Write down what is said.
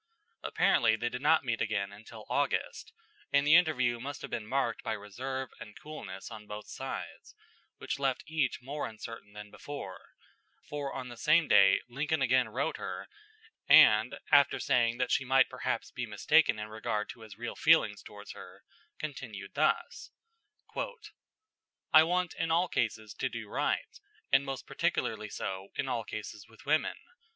Apparently they did not meet again until August, and the interview must have been marked by reserve and coolness on both sides, which left each more uncertain than before; for on the same day Lincoln again wrote her, and, after saying that she might perhaps be mistaken in regard to his real feelings toward her, continued thus: "I want in all cases to do right, and most particularly so in all cases with women.